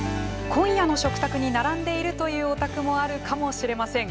今夜の食卓に並んでいるというお宅もあるかもしれません。